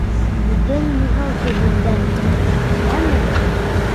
— Үҙең юғал күҙемдән, йәме.